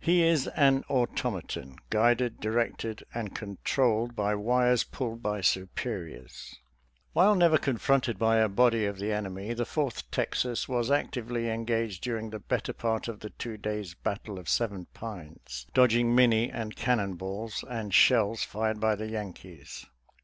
He is an automaton, guided, directed, and controlled by wires pulled by superiors. »♦♦ While never confronted by a body of the enemy, the Fourth Texas was actively engaged during the better part of the two days' battle of Seven Pines, dodging Minie and cannon balls and shells fired by the Yankees.